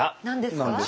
何ですか？